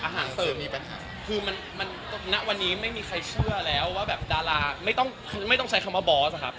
คือตอนวันนี้ไม่มีใครเชื่อแล้วไม่ต้องใช้คำว่าบอส